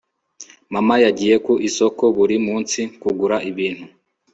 mama yagiye ku isoko buri munsi kugura ibintu